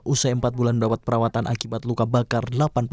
usai empat bulan mendapat perawatan akibat luka bakar